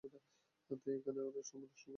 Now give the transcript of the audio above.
তাই এখানে আর সময় নষ্ট করে লাভ নেই।